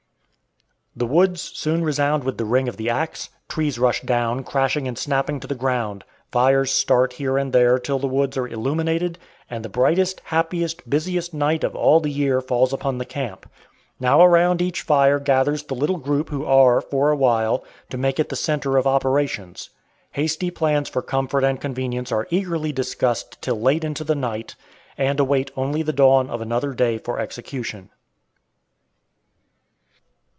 The woods soon resound with the ring of the axe; trees rush down, crashing and snapping, to the ground; fires start here and there till the woods are illuminated, and the brightest, happiest, busiest night of all the year falls upon the camp. Now around each fire gathers the little group who are, for a while, to make it the centre of operations. Hasty plans for comfort and convenience are eagerly discussed till late into the night, and await only the dawn of another day for execution.